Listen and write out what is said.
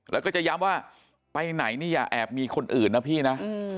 แล้วก็จะย้ำว่าไปไหนนี่อย่าแอบมีคนอื่นนะพี่นะ